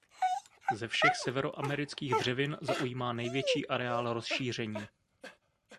Ze všech severoamerických dřevin zaujímá největší areál rozšíření.